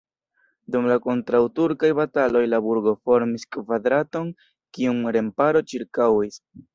Dum la kontraŭturkaj bataloj la burgo formis kvadraton, kiun remparo ĉirkaŭis.